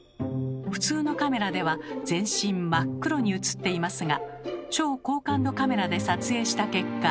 普通のカメラでは全身真っ黒に映っていますが超高感度カメラで撮影した結果。